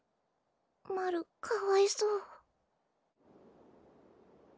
マルかわいそう。